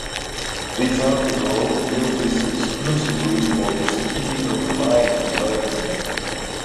This article uses exclusively for the speed of light in vacuum.